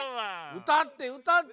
うたってうたって。